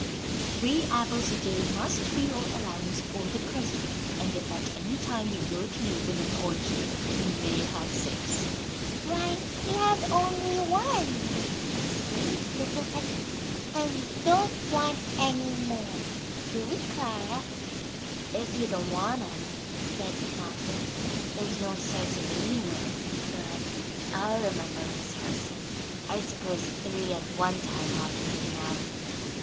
Three apples a day must be your allowance for the present; and if at any time we go to live in an orchard, you may have six." "Why, we have only one," exclaimed little Edith, "and we don't want any more. Do we, Clara?" [Illustration: Apple Blossoms.] "If you don't want 'em," said Malcolm, "there's no sense in eating 'em. But I'll remember, Miss Harson. I suppose three at one time ought to be enough."